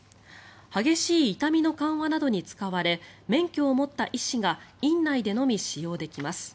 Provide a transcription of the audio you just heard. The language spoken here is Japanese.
激しい痛みの緩和などに使われ免許を持った医師が院内でのみ使用できます。